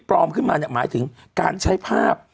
ขึ้นมาเนี่ยหมายถึงการใช้ภาพ